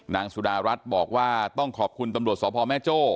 นางสุดารัฐบอกว่าต้องขอบคุณตำรวจสพแม่โจ้